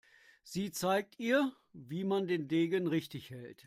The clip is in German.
Sie zeigt ihr, wie man den Degen richtig hält.